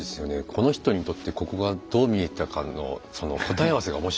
この人にとってここがどう見えてたかのその答え合わせが面白いんですよね